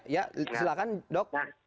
ya silakan dok